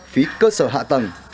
phí cơ sở hạ tầng